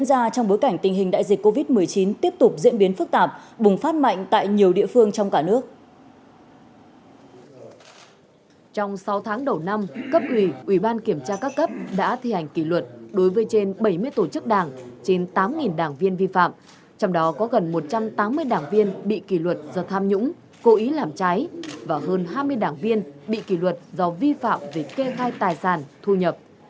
sau tháng đầu năm cấp ủy ủy ban kiểm tra các cấp đã thi hành kỷ luật đối với trên bảy mươi tổ chức đảng trên tám đảng viên vi phạm trong đó có gần một trăm tám mươi đảng viên bị kỷ luật do tham nhũng cố ý làm trái và hơn hai mươi đảng viên bị kỷ luật do vi phạm về kê gai tài sản thu nhập